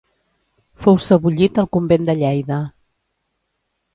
Fou sebollit al convent de Lleida.